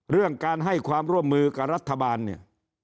เรื่องการให้ความร่วมมือกับรัฐบาลเนี่ย